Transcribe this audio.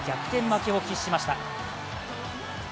負けを喫しました。